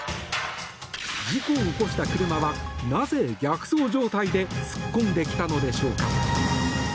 事故を起こした車はなぜ、逆走状態で突っ込んできたのでしょうか？